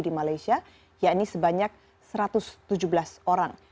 di malaysia yakni sebanyak satu ratus tujuh belas orang